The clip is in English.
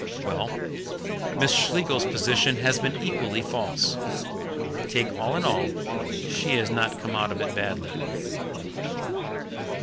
Well, Miss Schlegel's position has been equally false. Take all in all, she has not come out of it badly."